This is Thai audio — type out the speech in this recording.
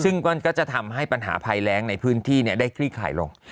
ซึ่งก็จะทำให้ปัญหาภัยแรงในพื้นที่ได้คลี่คลายลง